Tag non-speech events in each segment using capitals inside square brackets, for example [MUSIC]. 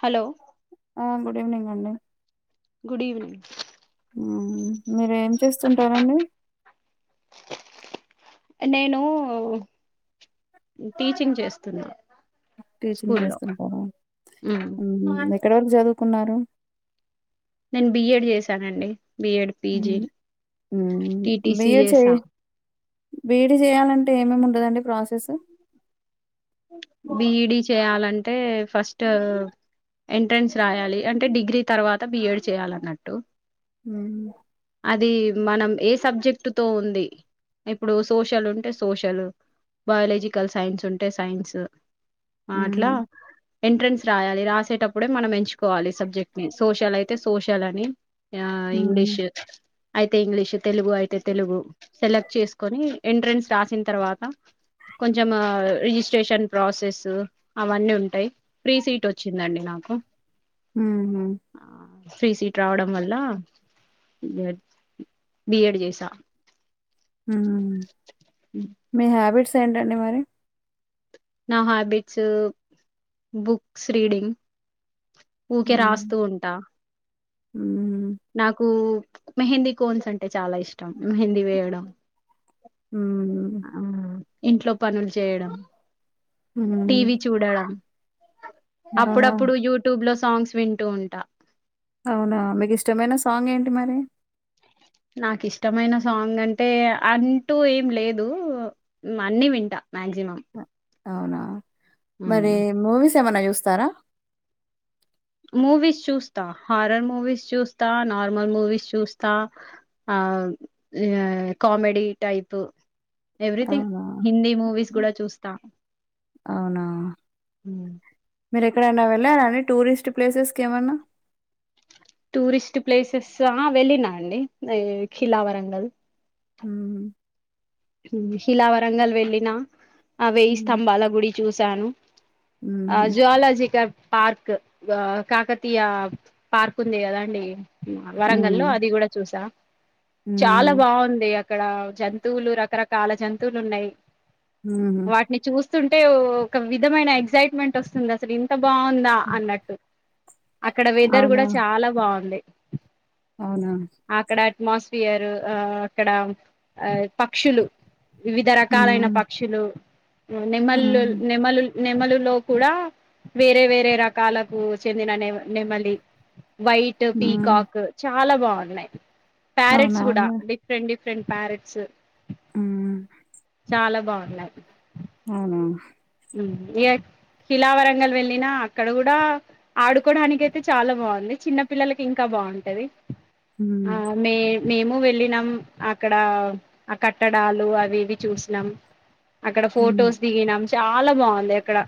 Hello ఆ good evening అండి good evening ఉ మీర్ ఎమ్ చేస్తుంటారండి నేను టీచింగ్ చేస్తున్న టీచింగ్ చేస్తుంటరా ఉహు ఎక్కడ వరకు చదువుకున్నారు. నేను బిఏడ్ చేశానండి B Ed P G T T C చేశా బి ఈ డి చేయాలంటే ఏమేమి ఉంటదండి ప్రాసెసు బి ఈ డీ చేయాలంటే ఫస్టు ఎంట్రెన్స్ రాయాలి అంటే డిగ్రీ తర్వాత బి ఏ డ్ చేయాలన్నట్టు. ము అది మనం ఏ సబ్జెక్ట్ తో ఉంది ఇప్పుడు సోషల్ ఉంటే సోషలు బయాలజికల్ సైన్స్ ఉంటే సైన్సు ఆ అట్లా మ్మ్. ఎంట్రన్స్ రాయాలి రాసేటప్పుడే మనం ఎంచ్ కోవాలి సబ్జెక్ట్ ని సోషల్ అయితే సోషల్ అని ఆ మ్మ్. ఇంగ్లీషు అయితే ఇంగ్లీషు తెలుగు అయితే తెలుగు సెలెక్ట్ చేసుకొని ఎంట్రెన్స్ రాసిన తర్వాత కొంచమ రిజిస్ట్రేషన్ ప్రాసెసు అవన్నీ ఉంటాయి ఫ్రీ సీట్ వచ్చిందండి నా కు ఉ హు త్రీ సీట్ రావడం వల్ల బిఎడ్ చేసా ఉ మీ హ్యాబిట్స్ ఏంటండి మరి నా హ్యాబిట్సు బుక్స్ రీడింగ్ ఊకే మ్మ్. రాస్తూ ఉంటా మ్మ్. నాకు మెహందీ కోన్స్ అంటే చాలా ఇష్టం మెహందీ వేయడం. ఉ ఇంట్లో పనులు చేయడం మ్మ్. టీవీ చూడడం అవునా అప్పుడప్పుడు యూట్యూబ్ లో సాంగ్స్ వింటూ ఉంటా. అవునా మీకు ఇష్టమైన సాంగ్ ఏంటి మరి నాకు ఇష్టమైన సాంగ్ అంటే అంటూ ఎమ్ లేదు అన్ని వింటా. మాక్సిమమ్ అ- అవునా మరి మూవీస్ ఏమన్నా చూస్తారా మూవీస్ చూస్తా హారర్ మూవీస్ చూస్తా నార్మల్ మూవీస్ చూస్తా అ ఆ కామెడి టైప్ ఎవ్రీథింగ్ అవునా హిందీ మూవీస్ కూడా చూస్తా అవునా మీరె ఎక్కడైనా వెళ్ళారండి టూరిస్ట్ ప్లేసెస్ కి ఏమన్నా టూరిస్ట్ ప్లేసెస్ ఆ వెళ్ళినా అండి ఖిలా వరంగల్ హ్మ్మ్ హీలావరంగల్ వెళ్ళిన అ వేయి స్తంభాల గుడి చూశాను ఆ ఉహు జ్వాలాజిక పార్క్ కాకతీయ పార్క్ ఉంది కదా అండి వరంగ లో ఉహు అది కూడా చూసా చాలా బాగుంది అక్కడ జంతువులు రక్ రకరకాల జంతువులు ఉన్నాయి ఉహు వాటిని చూసి వస్తుంటే ఒక విధమైన ఎగ్సైట్మెంట్ వస్తుంది అసలు ఇంత బాగుందా అన్నట్టు అక్కడ వెదర్ అవునా కూడా చాలా బాగుంది అవునా మాస్ఫియర్ ఆ అక్కడ ఆ పక్షులు వివిధ ఆ రకాలైన పక్షులు ఆ నెమలు నెమ్మలు నెమలులో కూడా వేరే వేరే రకాలకు చెందిన నె నెమలి వైట్ పీకాక్ చాలా బాగున్నాయి ఆ అవునా ప్యారెట్స్ కూడా అండి డిఫరెంట్ డిఫె డిఫరెంట్ పరెట్స్ అ చాలా బాగున్నాయి అవునా ఏ కిలావరంగల్ వెళ్ళిన అక్కడ కూడా ఆడుకోడానికి అయితే చాలా బాగుంది చిన్న పిల్లలకి ఇంకా బాగుంటది ఉమ్ ఆ మీ మేము వెళ్ళినం అక్కడ ఆ కట్టడాలు అవి ఇవి చూసినాం అక్కడ ఉమ్ ఫొటోస్ దిగినాం చాలా బాగుంది అక్కడ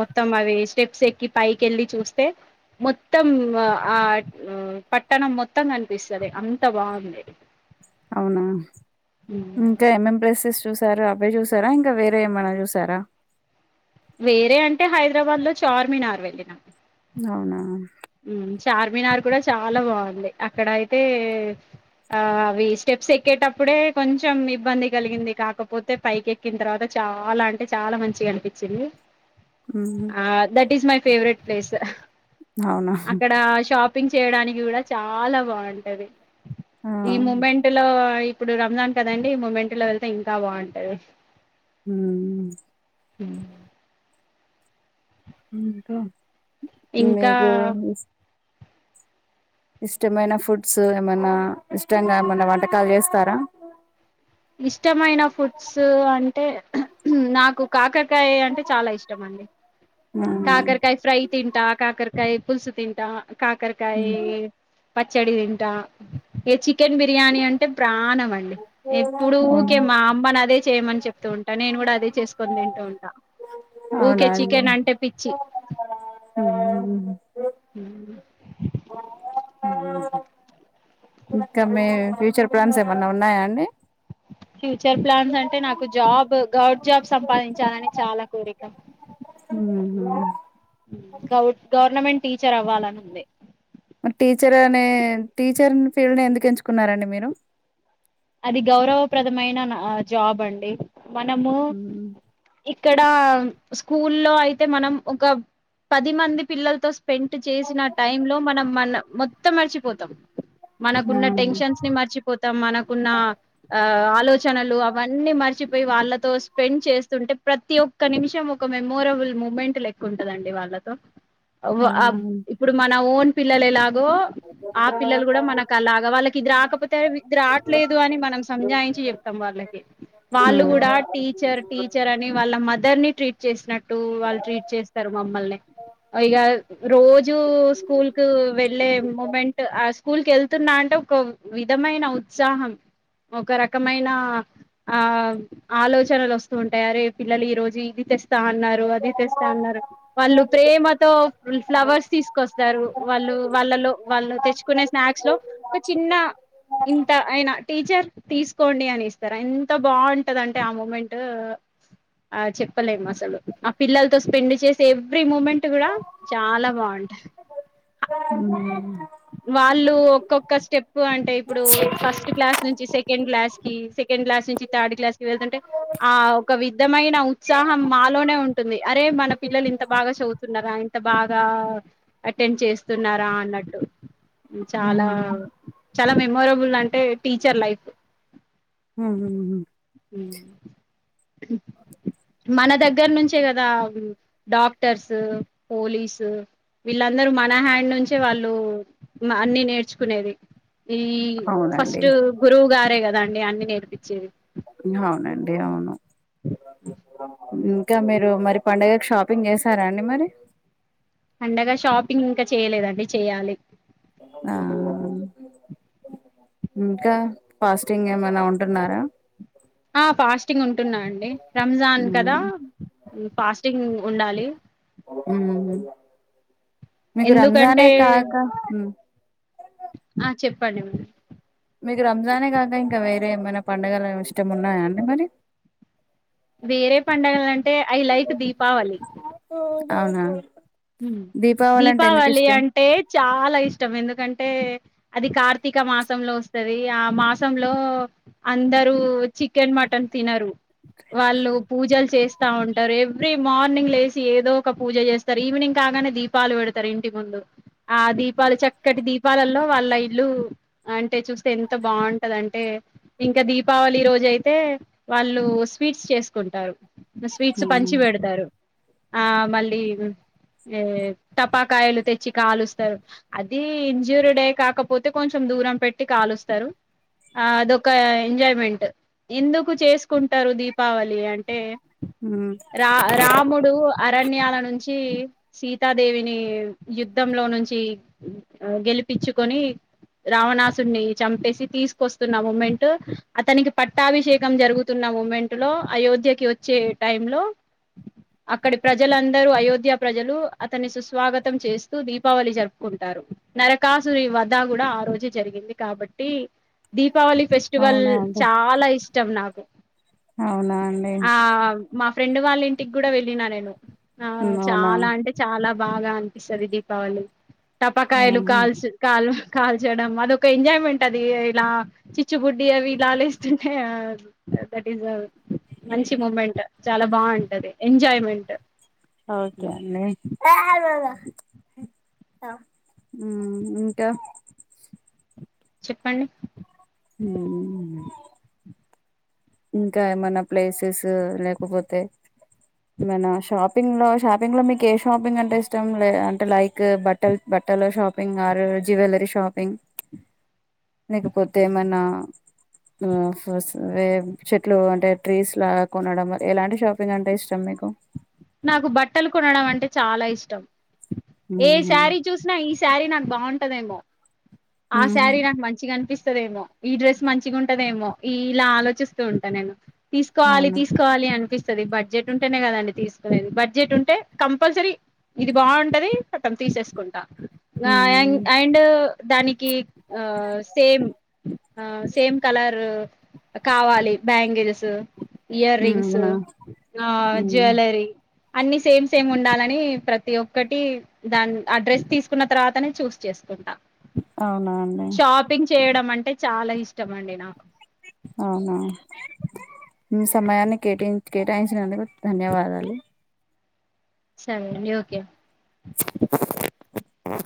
మొత్తం అవి స్టెప్స్ ఎక్కి పైకి వెళ్ళి చూస్తే మొత్తం ఆ పట్టణం మొత్తం కనిపిస్తుంది అంత బాగుంది అవునా ఇంకా ఎంఎం ప్రెసెస్ చూసారా అవే చూసారా ఇంకా వేరే ఏమైన చూసారా వేరే అంటే హైదరాబాద్ లో చార్మినార్ వెళ్ళిన అవునా చార్మినార్ కూడా చాలా బాగుంది అక్కడ అయితే. ఆ అవి స్టెప్స్ ఎక్కేటప్పుడే కొంచెం ఇబ్బంది కలిగింది కాకపోతే పైకి ఎక్కిన తర్వాత.. చాలా అంటే చాలా మంచిగా అనిపించింది. ఉహు ఆ that is my favourite place. అవునా.. ! అక్కడ షాపింగ్ చేయడానికి కూడా చాలా బాగుంటది ఆ ఈ మూమెంట్ లో. ఇప్పుడు రంజాన్ కదండి మూమెంట్లో వెళ్తే ఇంకా బాగుంటది హ్మ్మ్ హ. ఇంకా మీకు ఇష్టమైన ఫుడ్స్ ఏమన్నా ఇష్టంగా ఏమన్నా వంటకాలు చేస్తారా ఇష్టమైన ఫుడ్స్ అంటే నాకు కాకర్ కారకాయ అంటే చాలా ఇష్టం అండి అవును కాకరకాయ ఫ్రై తింటా కాకరకాయ. పుల్సు తింటా కాకరకాయి పచ్చడి తింటా ఈ చికెన్ బిర్యానీ అంటే ప్రాణం అండి ఎప్పుడు ఊరికే మా అమ్మని అదే చేయమని చెప్తూ ఉంటా నేను కూడా అదే చేసుకని తింటూ ఉంటా. ఊకే చికెన్ అంటే. పిచ్చి హం.. హమ్. హ.. ఇంకా మీ ఫ్యూచర్ ప్లాన్స్ ఏమన్నా ఉన్నాయా అండి. ఫ్యూచర్ ప్లాన్స్ అంటే నాకు జాబ్ గవడ్ జాబ్ సంపాదించాలని చాలా కోరిక. మ్మ్. గ గవర్నమెంట్ టీచర్ అవ్వాలని ఉంది. మరి టీచర్ అనే టీచర్ ఫీల్డ్ ఎందుకు ఎంచుకున్నారండి మీరు. అది గౌరవప్రదమైన జాబ్ అండి మనము... మ్మ్. ఇక్కడ స్కూల్లో అయితే మనం ఒక పది మంది పిల్లలతో.. స్పెంట్ చేసిన టైమ్ లో మనం మన మొత్తం మర్చిపోతాం. మనకున్న మ్మ్. టెన్షన్స్ ని మర్చిపోతాం మనకు. ఉన్న ఆ ఆలోచనలు అవన్నీ మర్చిపోయి వాళ్ళతో స్పెండ్ చేస్తుంటే ప్రతి ఒక్క. ఒక్క నిమిషం ఒక మెమోరబుల్ మూమెంట్ లెకు ఉంటదండి వాళ్ళతో. అవునా మ్మ్. ఇప్పుడు మన ఓన్ పిల్లలు ఎలా. గో.. ఆ పిల్లలు కూడా మనకు అలాగా వాళ్ళకి ఇదిరు రాకపోతే ఇది. లేదు అని మనం సంజాయించి చెప్తాం వాళ్ళకి వాళ్ళు కూడా మ్మ్. టీచర్ టీచర్ అని వాళ్ళ. మదర్ ని ట్రీట్ చేసినట్టు వాళ్ళు ట్రీట్ చేస్తారు మమ్మల్ని. ఈగ రోజూ స్కూల్ కు వెళ్ళలే మూమెంట్ ఆ స్కూల్ కి వెళ్తున్నా అంటే. ఒక విధమైన ఉత్సాహం ఒక రకమైన. ఆ ఆలోచనలు వస్తూ ఉంటాయా రే పిల్లలు ఈ రోజు ఇది తె. స్తాన్నారు అది తెస్తా ఉన్నారు వాళ్ళు ప్రేమతో ఫ్లవర్స్ తీసుకొస్తారు వాళ్ళు. వాళ్ళలో వాళ్ళు తెచ్చుకునే స్నాక్స్ లో ఒక చిన్న. ఇంత అయినా టీచర్ తీసుకోండి అని ఇస్తారా ఎంత బాగుంటదింటే ఆ మూమెంట్. ఆ చెప్పలేము అసలు ఆ పిల్లలతో స్పెండ్ చేసే ఎవ్రీ మూమెంట్ కూడా చాలా బాగుంటాయి. ఊ వాళ్ళు ఒక్కొక్క స్టెప్ అంటే ఇప్పుడు ఫస్ట్ క్లాస్ నుంచి సె. సెకండ్ క్లాస్ కి సెకండ్ క్లాస్ నుంచి థర్డ్ క్లాస్ కి వెతుంటే ఆ ఒక విధమైన ఉత్సాహం. అలోనే ఉంటుంది అరే మన పిల్లలు ఇంత బాగా చదువుతున్నారా ఇంత బాగా అటెండ్ చేస్తున్న.. రా అన్నట్టు చాలా మ్మ్. చాలా మెమొరబుల్ అంటే టీచర్ లైఫ్... హ. మన దగ్గర నుంచే కదా డాక్టర్స్ పోలీసు... వీళ్ళందరూ మన హ్యాండ్ నుంచే వాళ్ళు అన్ని నేర్చుకునేది... ఈ అవునండి ఫస్ట్ గురువు గారే కదా అండి అన్ని నేర్పిచ్చేది అవునండి అవును ఇంకా మీరు మరి పండుగకి షాపింగ్ చేసారా అండి మరి అండగా షాపింగ్ ఇంకా చేయలేదండి చెయాలి ఆ ఇంకా ఫాస్టింగ్ ఏమైనా ఉంటున్నారా ఆ ఫాస్టింగ్ ఉంటున్నా అండి రంజాన్ కదా ఫాస్టింగ్ ఉండాలి ఆ ఎందుకంటే కాక హ్మ్. ఆ చెప్పండి మె మీకు రంజానే కాక ఇంకా వేరే ఏమైనా పండుగలు ఇష్టం ఉన్నాయా అండి మరి వేరే పండగల అంటే ఐ లైక్ దీపావళి అవునా అంటే ఎందుకు దీపావళి ఇష్టం అంటే చాలా ఇష్టం ఎందుకంటే అది కార్తీక మాసంలో వస్తుంది ఆ మాసంలో అందరూ చికెన్ మటన్ తినరు వాళ్ళు పూజలు చేస్ ఇస్తా ఉంటారు ఎవ్రీ మార్నింగ్ లేసి ఏదో ఒక పూజ చేస్తారు ఈవినింగ్ కాగానే దీపాలు పెడతారు ఇంటి ముందు ఆ దీపాలు చక్కటి దీపాలలో వాళ్ళ ఇల్లు అంటే చూస్తే ఎంత బాగుంటది అంటే ఇంకా దీపావళి రోజు అయితే వాళ్ళు వా స్వీట్స్ చేసుకుంటారు స్వీట్స్ పంచి హ్మ్. పెడతారు ఆ మళ్ళీ ఏ టపాకాయలు తెచ్చి కలుస్తారు అది ఇంజూరిడే కాకపోతే కొంచ్ కొంచెం దూరం పెట్టి కాలుస్తారు ఆ అదొక ఎంజాయ్మెంట్ ఎందుకు చేసుకుంటారు దీపావళి అంటే హ్మ్. రా రాముడు అరణ్యాల నుంచి సీతాదేవిని యుద్ధంలో నుంచి గెలిపించుకొని రావణాసుడిని చంపేసి తీసుకొస్తున్న మమెంట్ అతనికి పట్టాభిషేకం జరుగుతున్న మూమెంట్ లో అయోధ్యకి వచ్చే టైం లో అక్కడి ప్రజలందరూ అయోధ్య ప్రజలు అతన్ని సుస్వాగతం చేస్తూ దీపావళి జరుపుకుంటారు నరకాసురి వ తా కూడా ఆ రోజు జరిగింది కాబట్టి దీపావళి ఫెస్టివల్ అవునా అండి చాలా ఇష్టం నాకు అవునా అండి ఆ మా ఫ్రెండ్ వాళ్ళ ఇంటికి కూడా వెళ్ళిన నేను ఆ హ్మ్. అవునా చాలా అంటే చాలా బాగా అనిపిస్తది దీపావళి ఆహా! టపాకాయలు కాల్చు కాలు కాల్చయడం అదొ ఒక ఎంజాయ్మెంట్ అది ఇలా చిచ్చుబుడ్డి అవి ఇలా లేస్తుంటే దట్ ఈస్ మంచి మూమెంట్ చాలా బాగుంటది ఎంజాయ్మెంట్ ఓకే అండి ఇంకా చెప్పండి ఉ ఇంకా ఏమైన ప్లేసెస్ లేకపోతే మనా షాపింగ్ లో షాపింగ్ లో మీకు ఏ షాపింగ్ అంటే ఇష్టం లే అంటే లైక్ బట్టల్ బట్ పట్టలో షాపింగ్ ఆరు జువెలరి షాపింగ్ లేకపోతే ఏమన్నా ఆ [UNINTELLIGIBLE] చెట్లు అంటే ట్రీస్ లా కొనడం ఎలాంటి షాపింగ్ అంటే ఇష్టం మీకు నాకు బట్టలు కొనడం అంటే చాలా ఇష్టం ఏ ఉహు శారీ చూసినా ఈ శారీ నాకు బాగుంటదేమో ఆ ఉహు శారీ నాకు మంచిగా అనిపిస్తుంది తదేమో ఈ డ్రెస్ మంచిగా ఉంటదేమో ఈ ఇలా ఆలోచిస్తూ ఉంటా నేను తీసుకోవాలి అవునా తీసుకోవాలి అనిపిస్తుంది బడ్జెట్ ఉంటేనే కదండి తీసు బడ్జెట్ ఉంటే కంపల్సరీ ఇది బాగుంటది కతం తీసేసుకుంటా ఆ అన్ ఉమ్ అండ్ దానికి ఆ సేమ్ ఆ సేమ్ కలర్ కావాలి బ్యాంగిల్స్ ఇయర్ రింగ్స్ అవునా ఆ ఉమ్ జువెలరి అన్ని సేమ్ సేమ్ ఉండాలని ప్రతి ఒక్కటి దాని ఆ డ్రెస్ తీసుకున్న తర్వాతనే చూస్ తీసుకుంటా అవునా అండి ఉమ్ అంటే చాలా ఇష్టం అండి నాకు అవునా మీ సమయాన్ని కేటాయి కేటాయించినందుకు ధన్యవాదాలు సరే అండి ఓకే ఆఓ